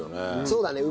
そうだね。